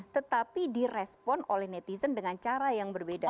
tetapi di respon oleh netizen dengan cara yang berbeda